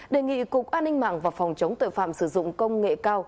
đề nghị cục an ninh mạng và phòng chống tội phạm sử dụng công nghệ cao